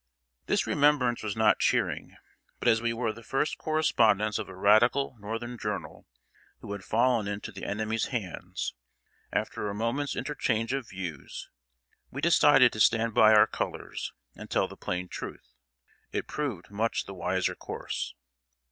This remembrance was not cheering; but as we were the first correspondents of a radical Northern journal who had fallen into the enemy's hands, after a moment's interchange of views, we decided to stand by our colors, and tell the plain truth. It proved much the wiser course.